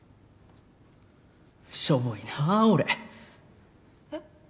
しょぼいなあ俺えっ？